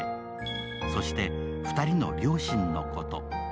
そして２人の両親のこと。